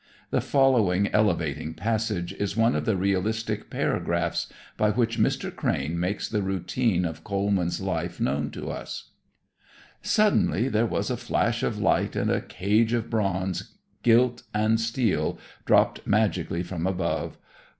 The following elevating passage is one of the realistic paragraphs by which Mr. Crane makes the routine of Coleman's life known to us: Suddenly there was a flash of light and a cage of bronze, gilt and steel dropped magically from above.